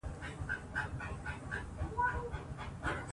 سیاسي اختلاف د دښمنۍ مانا نه لري بلکې د فکر تنوع ده